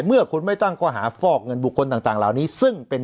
เมื่อคุณไม่ตั้งข้อหาฟอกเงินบุคคลต่างเหล่านี้ซึ่งเป็น